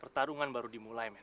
pertarungan baru dimulai men